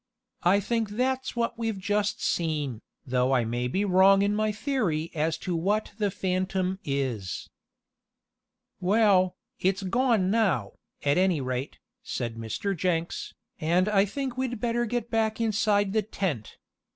I think that's what we've just seen, though I may be wrong in my theory as to what the phantom is." "Well, it's gone now, at any rate," said Mr. Jenks, "and I think we'd better get back inside the tent.